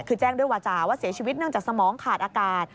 คือแจ้งด้วยวาจาว่าเสียชีวิตเนื่องจากสมองขาดอากาศ